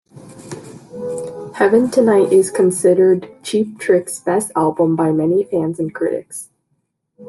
"Heaven Tonight" is considered Cheap Trick's best album by many fans and critics.